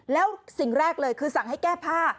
แล้วสิ่งแรกเลยคือสั่งให้แก้ผ้า